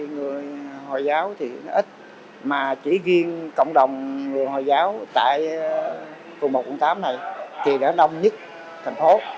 người hồi giáo ít mà chỉ ghiêng cộng đồng người hồi giáo tại quận một quận tám này thì đã đông nhất thành phố